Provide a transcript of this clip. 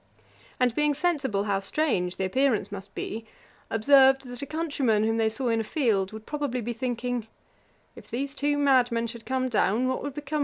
And being sensible how strange the appearance must be, observed, that a countryman whom they saw in a field, would probably be thinking, 'If these two madmen should come down, what would become of me?'